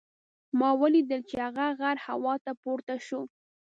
ما ولیدل چې هغه غر هوا ته پورته شو.